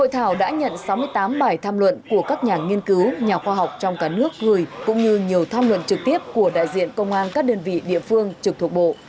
hội thảo đã nhận sáu mươi tám bài tham luận của các nhà nghiên cứu nhà khoa học trong cả nước gửi cũng như nhiều tham luận trực tiếp của đại diện công an các đơn vị địa phương trực thuộc bộ